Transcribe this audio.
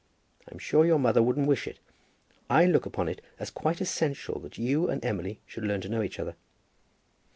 I'm sure your mother wouldn't wish it. I look upon it as quite essential that you and Emily should learn to know each other."